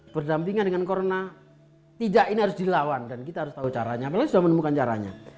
berdampingan dengan corona tidak ini harus dilawan dan kita harus tahu caranya apalagi sudah menemukan caranya